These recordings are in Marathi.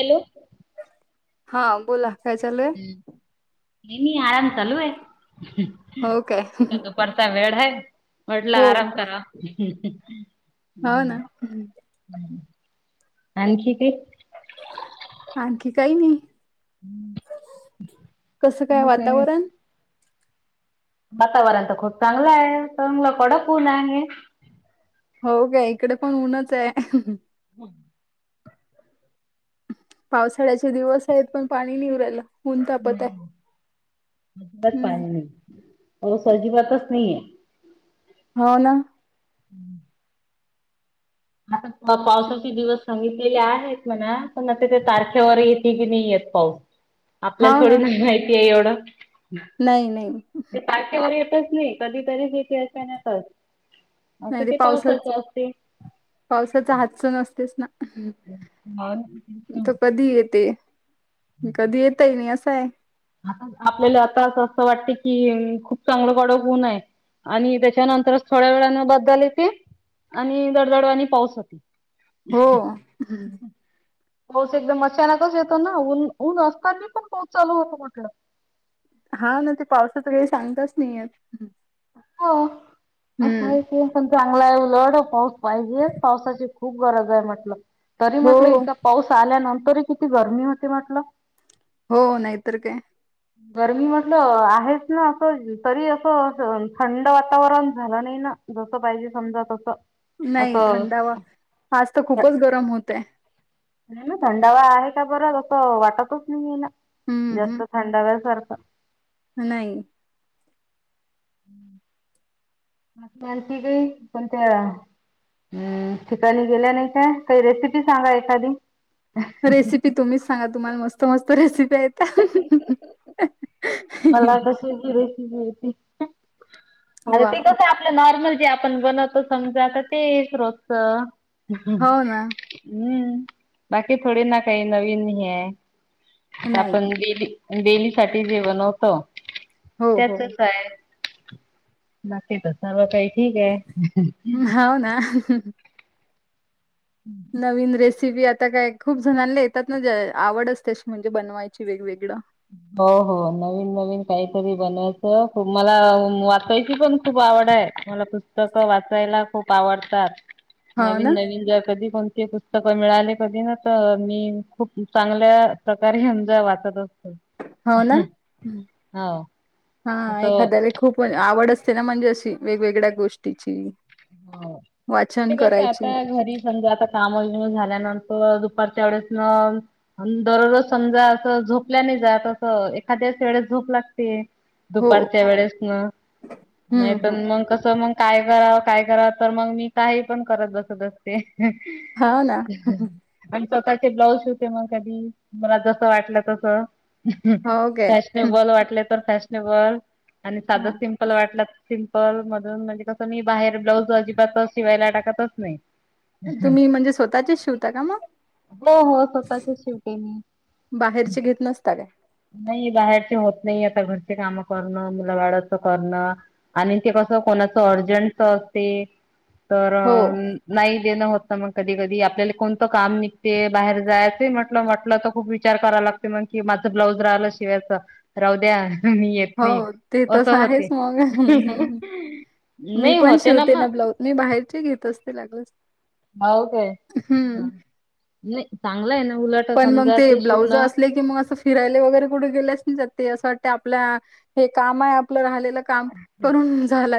हॅलो? हा बोला, काय चालय? काय नी आराम चालू आहे हो काय दुपारचा वेळ हाय. म्हटलं हो आराम करावं हो ना आणखी काय आणखी काही नाही कसं काय वातावरण वातावरण तर खूप चांगलं आहे चांगलं कडक ऊन आहे. हो का इकडे पण ऊनच आहे. हो पावसाळ्याचे दिवस आहेत पण पाणी नाय येऊन राहायला नाही, अजिबात हम्म पाणी नाही, पाऊस अजिबातच नाहीय हो ना हम्म आता पावसाचे दिवस सांगितलेले आहेत म्हणा पण आता ते तारखेवर येत [unintelligible] आपल्याला हाव थोडी ना माहिती आहे एवढ नाही नाही ते तारखेवर येतचं नाही कधी तरीच येते अ असं ते पावसाच असते. पावसाचा हातच नसतेच ना ह तो कधी [unintelligible] येते कधी येतय नाही असाय आता आपल्याला आता असं आसं वाटते की खूप चांगलं कडक ऊन हाय. आणि त्याच्यानंतरच थोड्या वेळानं बादल येती आणि दडदडवानी पाऊस होती. हो हम्म पाऊस एकदम अचानकच येतो ना ऊन ऊन असताना पण पाऊस चालू होत म्हटलं हा ना ते पावसाच काही सांगताच नाही येत. हो असं हम्म आहे ते पण चांगलं आहे उलड पाऊस पाहिजे पावसाची खूप गरज आहे म्हटलं, तरी हो म्हटलं इतका पाऊस आल्यानं तरी किती गरमी होते म्हटलं हो.. नाहीतर काय. गरमी म्हटलं आहेच ना आसं तरी असं थंड वातावरण झालं नइ ना? जसं पाहिजे समजा तसं. नाही असं थंडावा. आज त खूपच गरम होतंय. नाही म. थंडावा आहे का बरं तसं वाटतच नाइए ना. जास्त थंडाव्यासार ह नाई. [unintelligible] हम्म.. ठिकाणी गेल्या नाइ का? काही रेसिपी सांगा एखादी. रेसिपी तुम्हीच सांगा तुम्हाला मस्त मस्त रेसिप्या येता. मला कशाची रेसिपी येती? ते वाह! कसं ए आपलं नॉर्मल जे आपण बनवतो समजा आता तेच रोजचं. हो ना. हम्. बाकी थोडी ना काही नवीन हे. आता नाही. आपण गेली डेली साठी जेवण होतं. हो, हो. त्याचंच आए. बाकी त सर्व काही ठीक ए. हाव ना. नवीन रेस पी बी आता काय खूप जणांला येतात ना जे आवड असतेच म्हणजे बनवायची वेगवेगळं. हो हो. नवीन नवीन काहीतरी बनवायचं. मला वाचायची ची पण खूप आ आवड आए. मला पुस्तकं वाचायला खूप आवडतात. हो ना, नवीन नवीन जे कधी पण ते पुस्तकं मिळाले कधी ना तर मी खूप चांगल्या प्रकारे जा वाचत अस हो ना? हो हा.. असं एखाद्याले खूप आवड अस ते ना मणजे अशी वेगवेगळ्या गोष्टीची हो. वाचन ते कसये करायची. आता घरी समजा आता कामं बिमं झाल्यानं तर दुपारच्या वेळेस न अन् दररोज समजा असं झोपल्या नाइ जात असं एखाद्या त्याच वेळेस झोप लागतिये. हो. दुपारच्या वेळेस न नाही हं, पण हं. म कसं म काय करावं काय करावं तर मंग मी काही पण करत बसत असते. हो ना. स्वतःचे ब्लाउज शिवते मग कधी मला जसं वाटलं तसं. हो काय. हं, फॅशनेबल वाटलेत फॅशनेबल आणि साधं हां. सिंपल वाटला त सिंपल मधून म्हणजे कसं नि बाहेर ब्लाऊज अजिबातच शिवायला टाकतच नाई. तुम्ही म्हणजे स्वतःचेच शिवता का मग? हो हो. स्वतःचे शिवते मी. बाहेरचे घेत नसता काय? नाही बाहेर ते होत नाई आता. घरचे काम करणं मुला बाळांचं करणं आणि ते कसं कोणाचं अर्जंट स ते तर हो नाही देणं होत पण मग कधी कधी आपल्याला कोणतं काम निघते बाहेर जायचे म्हटलं म्हटलं तर खूप विचार करा लागते मग कि माझं ब्लाउज रालं शिवायचं, राहू द्या. वहिणी येत नई. हो ते असं तसं आहेच होते. मग हम्म. मी पण होते शिवते ना मग ब्लाऊज. मी बाहेरचे घेत असते लागच हाओ काय? ह. नई चांगलं ए ना. उलट पण मंग समजा ते ब्लाउजं शिवणं असले कि म असं फिरायले वगरे कुठे गेलेत? जगतिये, असं वाटतंय आपल्या.. हे काम आए आपलं ऱ्हालेत.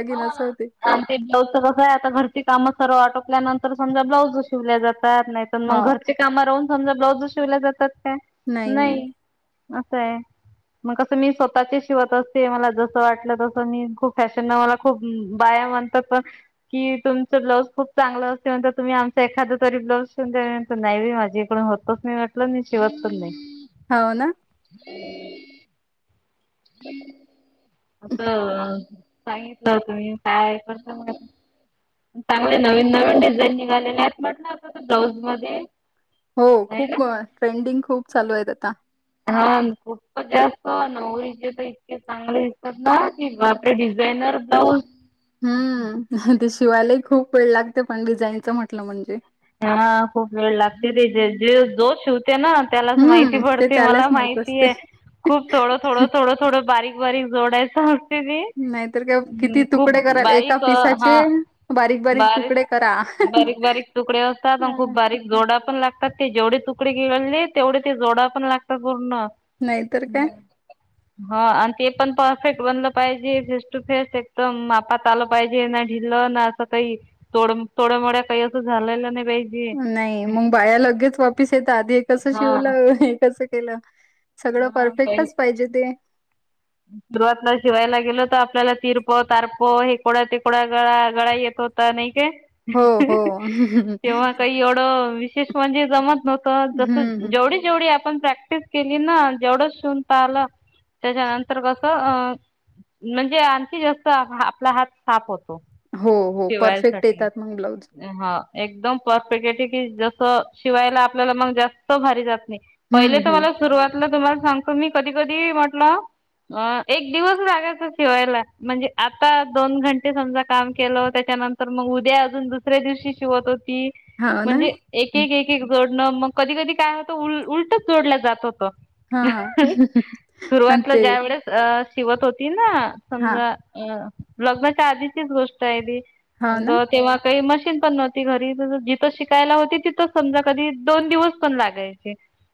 हो होते आणि तेंच कसं ए आता घरची कामं सर्व आटोप ल्यानंतर समजा ब्लाऊजं शिवल्या जातात, नाहीत हा मग घरचे काम राहून समजा ब्लाउजं शिवल्या जातात. काय? नाही नाही न्हाई. असए. म कसं मी स्वतः चे शिवत असते मला जस वाटलं तसं. आणि खूप फॅशन ना मला खूप बाया म्हणतात पण की तुमचं ब्लाऊज खूप चांगल अस समजा तुम्ही आमचं एखादं तरी ब्लाऊज शिवून द्या. नाही बाई माझी कडून होतच नाही म्हटलं मि शिवत पण नाई. हो ना आपल सांगितल होत मी काय करतो म चांगले नवीन नवीन डिझाईन निघालेले आहेत म्हटल तस ब्लाउज मध्ये हो नाही ना खूप ट्रेंडिंग खूप चालू आहेत आता हा खूपप जास्त नवरिचे तर इतके चांगले दिसतात ना कि बापरे ट्रेनर ब्लाऊज हम्म् ते शिवायलाही खूप वेळ लागतो पण डिझाईनच म्हटल म्हणजे हा खूप वेळ लागते ते जे जो शिव तेना त्यालाच माहिती हम्म ते पडते त्यालाच मला माहित असते माहितीय खूप थोड थोड थोड थोड बारीक बारीक जोडायच असते ते नाहीतर काय किती हम्म् खूप तुकडे कराल एका बारीक हा पिसाचे बारीक बारीक तुकडे करा. बारीक बारीक तकडे असतात अण खूप हा बारीक जोडा पण लागतात ते जेवढे तुकडे गिळले तेवढे ते जोडा पण लागतात पूर्ण नाही तर काय हा आणि ते पण परफेक्ट बनल पाहिजे फेस टू फेस एकदम मापात आल पाहिजे ना ढिल क ना आज सकाळी काही थोडम थोड्यामड्या काही अस झाल नाही पाहिजे. नाही मग बाया लगेच वापीस येत आधी हे कस शिवल हा. हे कस केल सगळ परफेक्टच पाहिजे ते हम् ध्रुवातला शिवायला गेलो तर आपल्याला तीरप तारप हेकोड्या तिकोड्या गळा गळा येत होता नाही काय हो हो तेव्हा काय ड म्हणे जत ज हम्म जेव जेव ण प्रॅक्टिस केली ना जेवढ शवून पाहिलं त्याच्यानंतर तर कसं म्हणजे आणखी जास्त आपला हात साफ होतो हो हो परफेक्ट शिवायसाठी येतात मग ब्लाऊज हा एकदम परफेक्ट आहे ठ की जस शिवायला आपल्याला मग जास्त भारी जात हम्म पहिले तर हम्म मला सुरुवातला तुम्हाला सांगतो मी कधी कधी म्हटलं अ एक दिवस रागायचा शिवायला म्हणजे आता दोन घंटे समजा काम केलं त्या उद्याजून दुऱ्या दिवशी शवत हो हो ना म्हणज एक ज न मग कधी कधी काय होतं उल उलटच जोडलं जात होतं हा अ सुरुवातला ते ज्या वेळेस शिवत होती ना हा समजा अ लग्नाच्या आधीचीच गोष्ट आहे हो ना त तेव्हा काही मस् पण नव्हती घरी जिथं शिकायला होती तिथ समजा कधी दोन दिवस पण लागायचे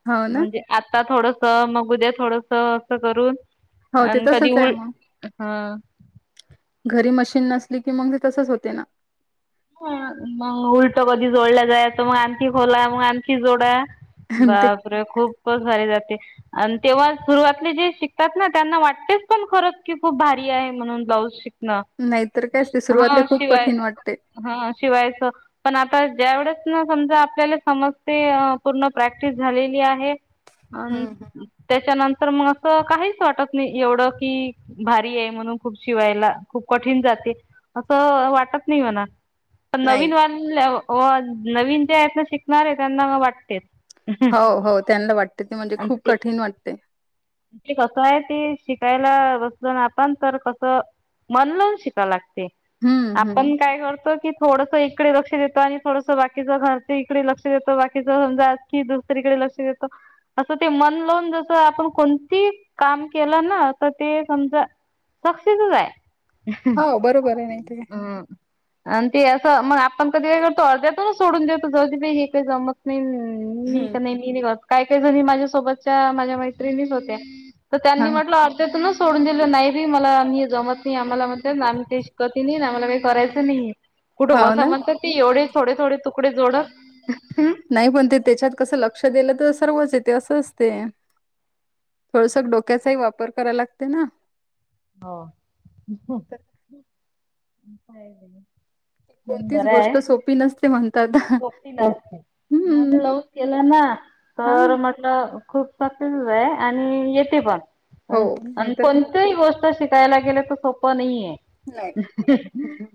हो ना म्हणजे आता थोडस मग उद्या थोडस असं करून हो ते आणि कधी तसंच उ आहे मग हा घरी मशीन नसली की मग ते तसच होते ना मग उलट कधी जोडल्या जाय तर मग आणखी खोला मग आणखी जोडा ते बापरे खूपच भारी जाते आणि तेव्हा सुरुवातले जे शिकतात ना त्यांना वाटतेच पण खरच की खूप भारी आहे म्हणून ब्लाऊज शिक नाहीतर कायच ते सुरुवातला हा खूप शिवाय कठीण वाटते. हा शिवायच पण तर ज्यावढच ना समजा आपल्याला समजते पूर्ण प्रॅक्टिस झालेली आहे अ हम्म हम्म त्याच्यानंतर तर मग असं काहीच वाटत नाही एवढं की भारी आहे म्हणून खूप शिवायला खूप कठीण जात असं वाटत नाही म्हणा पण नाही. नवीन वानल्या नवीन ज्या आहेत ना शिकणारे त्यांना वाटतेच हो हो त्यांना वाटते ते म्हणजे आणि खूप ते कठीण वाटते ते कसं आहे तेी शिकायला बसल ना आपण तर कसं मन लावून शिकाव लागते हम्म हम्म आपण काय करतो की थोडस इकडे लक्ष देत आणि थोडस बाकीचं घरचे इकडे लक्ष देतं बाकीच समजा की दुसरीकडे लक्ष देतं असं ते मनलोन जस आपण कोणती काम केलं ना तर ते समजा सक्सेसच आहे हो बरोबर आहे नाही तर काय. हम् आ ते अस मग आपण कधी काय करतो अर्ध्यातूनच सोडून देतो जी हे काही जमत नाही मी हम्म. का नाही मी निघत काय काय जणी माझ्यासोबतच्या माझ्या मैत्रिणीच होत्या तर हा त्यांनी म्हटलं अर्ध्यातून सोडून दिलं नाही रे मला आ्ही जमत नाही आम्हाला नाम ते क त नाही आम्हाला काही करायचं नाही कुठं हाव बसा ना म्हणत ते एवढेच थोडे थोडे तुकडे जोडत नाही पण ते त्याच्यात कस लक्ष दिलं तर सर्वच येते असं असते थोडस डोक्याचाही वापर करायला लागते ना हा नाहीतर काय कोणतीच गोष्ट सोपी नसते म्हणतात सोपी म हम्म लव केलं ना हा तर म्हटलं खूप आणि येते हो पण नाहीतर काय. कोणती गोष्ट श यला गेलं तर सोपं नाहीे नाही. काय.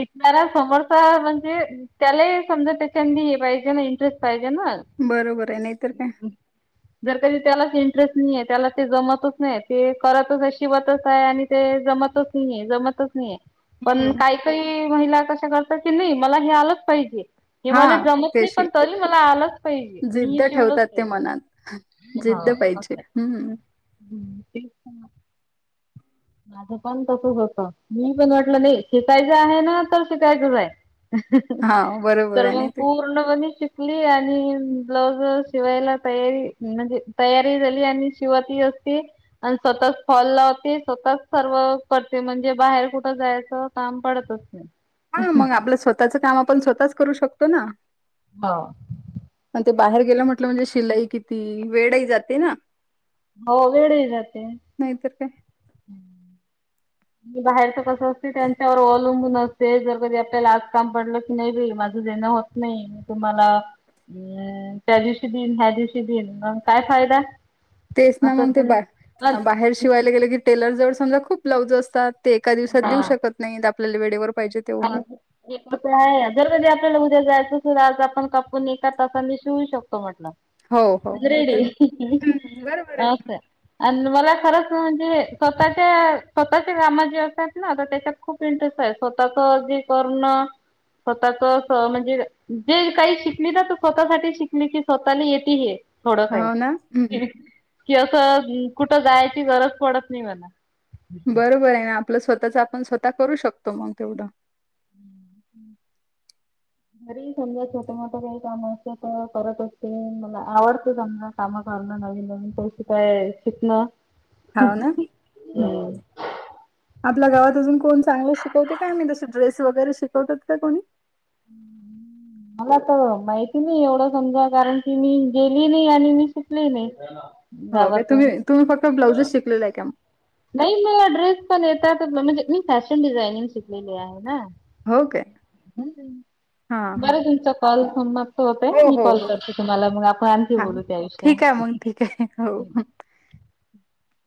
एकणारा समोरचा म्हणजे त्याला समजा त्याच्याी हे पाहिजे ना इंटरेस्ट पाहिज बरोबर आहे नाहीतर काय र कधी त्यालाच इंटरेस्ट नाही आहे त्याला ते जमतच नाही ते करतच शिबतच आहे आणि ते ज होतंच नाही जमतच नाहीेए. पण हम्म. काही काही महिला कशा करतात की नाही मला हे आलंच पाहिजे. हे हा मला जमत नाही त्याशी पण तरी मला आलंच पाहिजे मी जिद्द शिवलंच पाहिजे पाहिजे्. हम्म ते [unintelligible] माझं पण तसच होतं मी पण वाटलं नाही शिकायचं आहे ना तर शिकायचंच आहे. हां, बरोबर तर आहे मग नाही ते. पूर्ण म्हणे ली आणि ब्लाऊज शिवायला तयारी म्हणजे तयारी झाली आणि शिवाती [unintelligible] आणि स्वतःच फॉल लावते. स्वतः सर्व करते म्हणजे बाहेर कुठं जायचं काम पडतचं नाही. हा मग आपलं स्वतःच काम आपण स्वतःच करू शकतो ना हा पण ते बाहेर गेलं म्हटलं म्हणजे शिलाई किती वेळही जाते ना हो वेळही जाते. नाहीतर काय. हम्म [inaudible] बाहेरच कसं असते त्यांच्यावर अवलंबून असते जर कधी आपल्याला आज काम पडलं की नाही माझं देणं होत नाही तुम्हाला अ त्या दिवशी दिईन ह्या दिवशी देन मग काय फायदा तेच ना असं मग ते त्यांना बा बाहेर शिवायला गेले की टेलर जवळ समजा खूप बलाऊज असतात. ते एका दिवसात देऊ हा. शकत नाहीत आपल्याला वेळेवर पाहिजे तेव्हा. आहे जर कधी आपल्याला उद्या जायचं. धा आज आपण कापून एका तासाने शिवू शकतो म्हटलं हो, हो, नाहीतर अ्रेडी हं, बरोबर आहे. का अ [unintelligible] मला खरंच म्हणजे स्वतःच्या स्वतःच्या कामात जे असतात ना त्याच्यात खूप इंटरेस्ट आहे. पाख अज करना [unintelligible] स्वतःच म्हणजे जे काही शिकली ना स्वतःसाठी शिकली कि स्वतःला येत हे थोडं हो ना, हं, काही हं. कि असं कुठं जायची गरज पडत नाही मला बरोबर आहे ना आपलं स्वतःच आपण स्वतः करू शकतो मग तेवढं घरी समजा छोटं मोठं काही काम असतं. करत असते मला आवडते त्यांमना काम करणं नवीन नवीन पैसे काय शिकणं. हो ना, हम्. हं. आपल्या गावात अजून कोण चांगला शिकवते कायमही तसे ड्रेस वगैरे शिकवतात का कोणी. [inaudible] मला तर माहिती नाही एवढं समजा कारण की मी गेली नाही आणि मी शिकली नाही. हो का गावातून तुम्ही तुम्ही फक्त ब्लाउजेस शिकले आहे का? नाही म ड्रेस पण येतात म्हणजे मी फॅशन डिझायनिंग शिकलेली आहे ना? हो काय? हां, हां. बरं तुमचां कॉल समाप्त होत आहे हो मी हो कॉल हो करते तुम्हाला मग आपण आणखी हा बोलू त्या विषयावर ठीक आहे मग ठीक आहे हो. ह [inaudible] [inaudible]